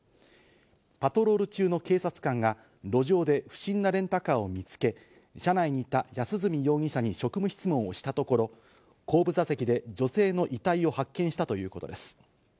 パトロール中の警察官が路上で不審なレンタカーを見つけ、車内にいた安栖容疑者に職務質問をしたところ、後部座席で女性の遺体を発見したということです。